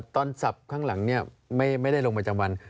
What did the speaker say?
ตอนสับข้างหลังไม่ได้ลงบันทึกประจำวัน